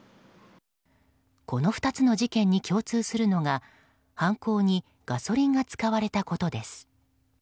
この２つの事件に共通するのが犯行にガソリンが使われたことです。